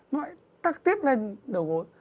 nó lại tắt tiếp lên đầu gối